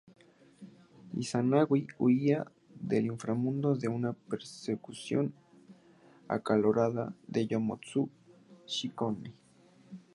Izanagi huía del inframundo en una persecución acalorada con Yomotsu-shikome.